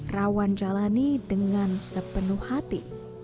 rawan jalani dengan sepenuh hati